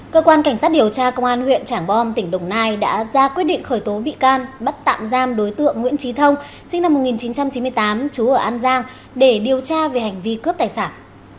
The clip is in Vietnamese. cơ quan cảnh sát điều tra công an huyện trảng bom tỉnh đồng nai đã ra quyết định khởi tố bị can bắt tạm giam đối tượng nguyễn trí thông sinh năm một nghìn chín trăm chín mươi tám chú ở an giang để điều tra về hành vi cướp tài sản